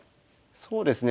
そうですね。